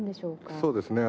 そうですね。